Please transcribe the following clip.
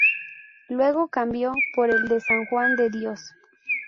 Luego cambió por el de San Juan de Dios.